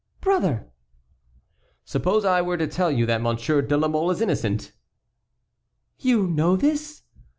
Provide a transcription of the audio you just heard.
"Brother!" "Suppose I were to tell you that Monsieur de la Mole is innocent?" "You know this?"